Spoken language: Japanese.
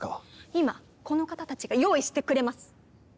今この方たちが用意してくれます。